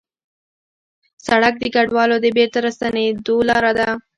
سړک د کډوالو د بېرته راستنېدو لاره ده.